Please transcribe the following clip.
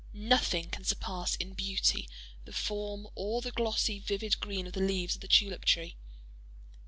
Nothing can surpass in beauty the form, or the glossy, vivid green of the leaves of the tulip tree.